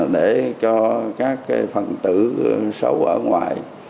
để cho các phần tử xấu ở ngoài